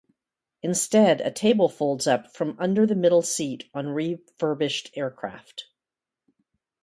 Instead, a table folds up from under the middle seat on refurbished aircraft.